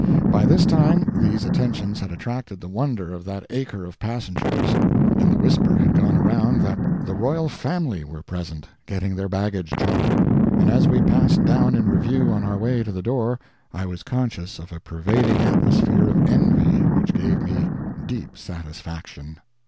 By this time these attentions had attracted the wonder of that acre of passengers, and the whisper had gone around that the royal family were present getting their baggage chalked; and as we passed down in review on our way to the door, I was conscious of a pervading atmosphere of envy which gave me deep satisfaction.